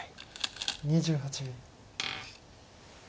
２８秒。